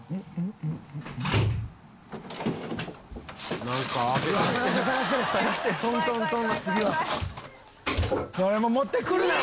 「それもう持ってくるな！